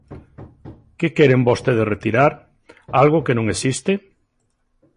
¿Que queren vostedes retirar?,¿algo que non existe?